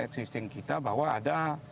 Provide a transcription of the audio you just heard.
existing kita bahwa ada